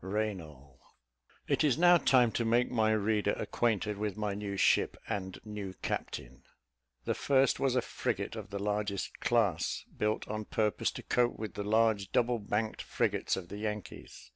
RAYNAL. It is now time to make my reader acquainted with my new ship and new captain. The first was a frigate of the largest class, built on purpose to cope with the large double banked frigates of the Yankees.